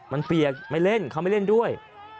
มันเปียกไม่เล่นเขาไม่เล่นด้วย